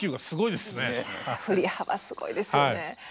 いや振り幅すごいですよね。